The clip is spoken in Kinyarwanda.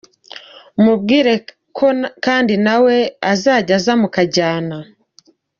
umubwire ko kandi nawe azajya aza mukajyana.